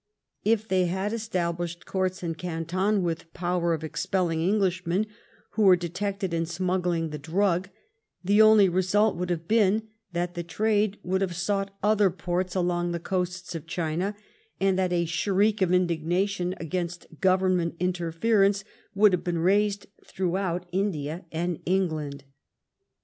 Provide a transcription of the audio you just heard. If they had established courts in Canton with powet of •expelling Englishmen who were detected in smuggling the drug, the only result would have been that the trade would have sought other ports along the coasts of China, and that a shriek of indignation against Govern ment interference would have been raised throughout India and England.